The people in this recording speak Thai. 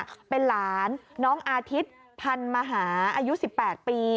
เป็นหลานน้องอาทิตย์พันมหาอายุ๑๘ปี